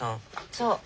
そう。